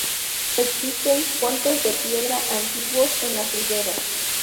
Existen puentes de piedra antiguos en las riberas.